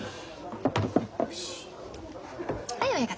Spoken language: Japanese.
はい親方。